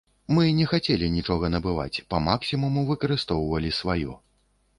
Мы не хацелі нічога набываць, па максімуму выкарыстоўвалі сваё.